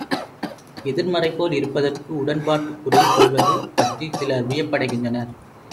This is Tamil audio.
எதிர்மறைபோல் இருப்பதற்கு உடன்பாட்டுப் பொருள் கொள்வது பற்றிச் சிலர் வியப்படைகின்றனர்.